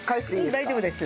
大丈夫です。